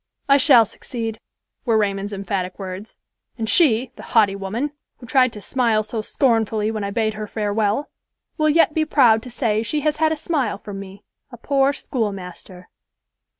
"I shall succeed," were Raymond's emphatic words; "and she, the haughty woman, who tried to smile so scornfully when I bade her farewell, will yet be proud to say she has had a smile from me, a poor school master."